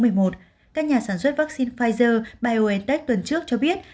các nhà sản xuất vaccine pfizer biontech tuần trước cho biết